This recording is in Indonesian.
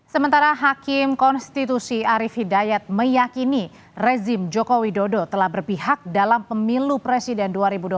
sementara hakim konstitusi arief hidayat meyakini rezim joko widodo telah berpihak dalam pemilu presiden dua ribu dua puluh empat